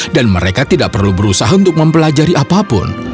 dan mereka tidak perlu berusaha untuk mempelajari apapun